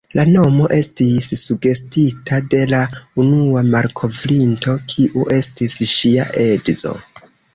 La nomo estis sugestita de la unua malkovrinto, kiu estis ŝia edzo.